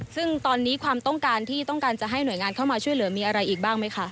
ซึ่งตอนนี้ความต้องการที่ต้องการจะให้หน่วยงานเข้ามาช่วยเหลือมีอะไรอีกบ้างไหมคะ